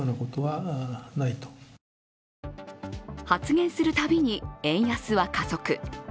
発言するたびに円安は加速。